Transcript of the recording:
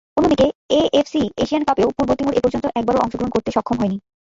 অন্যদিকে, AFC Asian কাপেও পূর্ব তিমুর এপর্যন্ত একবারও অংশগ্রহণ করতে সক্ষম হয়নি।